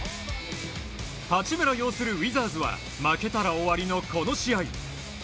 八村擁するウィザーズは負けたら終わりのこの試合。